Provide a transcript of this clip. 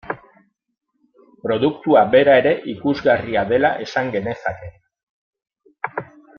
Produktua bera ere ikusgarria dela esan genezake.